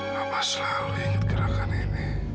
papa selalu ingat gerakan ini